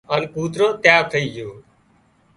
هانَ ڪوترو تيار ٿئي جھو